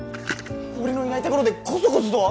俺のいないところでコソコソと？